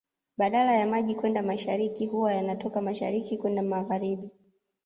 Badala ya maji kwenda mashariki huwa yana toka mashariki kwenda magharibi